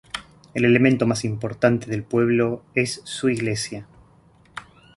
El elemento más importante del pueblo es su iglesia.